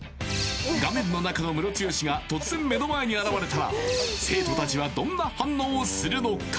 画面の中のムロツヨシが突然目の前に現れたら生徒たちはどんな反応をするのか！？